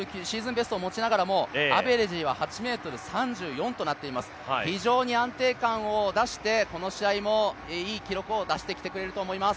ベストを持ちながらもアベレージは８ｍ３４となっています、非常に安定感を出して、この試合もいい記録を出してくれると思います。